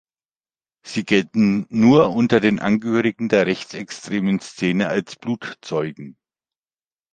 Sie gelten nur unter Angehörigen der rechtsextremen Szene als „Blutzeugen“.